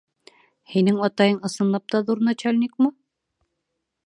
— Һинең атайың ысынлап та ҙур начальникмы?